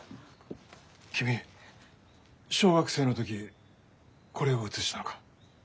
君小学生の時これを写したのか？